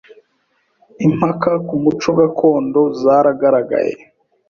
Impaka ku muco gakondo zaragaragaye